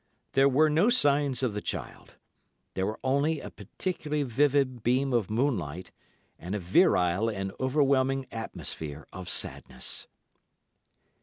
There were no signs of the child; there was only a particularly vivid beam of moonlight, and a virile and overwhelming atmosphere of sadness.